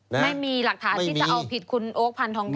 ไม่มีหลักฐานที่จะเอาผิดคุณโอ๊คพันธองทอง